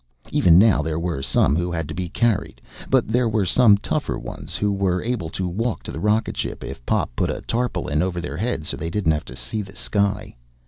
Even now there were some who had to be carried, but there were some tougher ones who were able to walk to the rocketship if Pop put a tarpaulin over their heads so they didn't have to see the sky.